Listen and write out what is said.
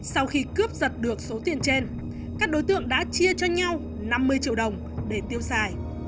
sau khi cướp giật được số tiền trên các đối tượng đã chia cho nhau năm mươi triệu đồng để tiêu xài